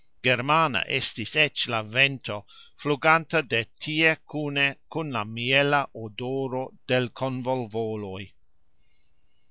Germana estis ecx la vento, fluganta de tie kune kun la miela odoro de l'konvolvoloj...